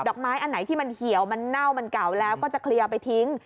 อกไม้อันไหนที่มันเหี่ยวมันเน่ามันเก่าแล้วก็จะเคลียร์ไปทิ้ง